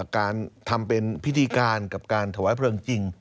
การทำเป็นพิธีการกับการถวายเพลิงจริง